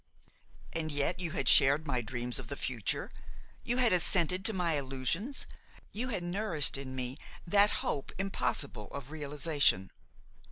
And yet you had shared my dreams of the future, you had assented to my illusions, you had nourished in me that hope impossible of realization.